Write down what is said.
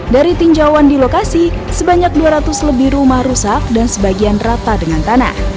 dari tinjauan di lokasi sebanyak dua ratus lebih rumah rusak dan sebagian rata dengan tanah